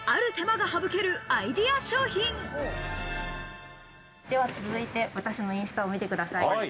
ある手間が省けるアイデア商品。では続いて、私のインスタを見てください。